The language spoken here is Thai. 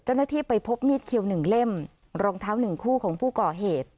เจ้าหน้าที่ไปพบมีดเคี้ยวหนึ่งเล่มรองเท้าหนึ่งคู่ของผู้ก่อเหตุ